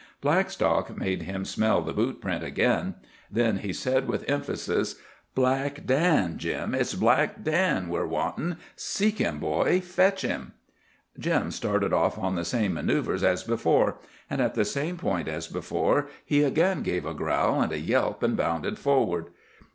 Blackstock made him smell the boot print again. Then he said with emphasis, "Black Dan, Jim, it's Black Dan we're wantin'. Seek him, boy. Fetch him." Jim started off on the same manœuvres as before, and at the same point as before he again gave a growl and a yelp and bounded forward.